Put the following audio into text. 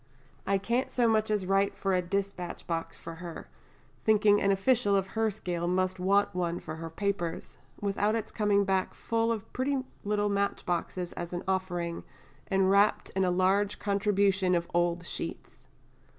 I can't so much as write for a dispatch box for her (thinking an official of her scale must want one for her papers) without its coming back full of pretty little match boxes as an offering, and wrapped in a large contribution of old sheets....